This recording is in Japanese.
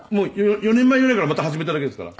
４年前ぐらいからまた始めただけですから。